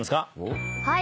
はい。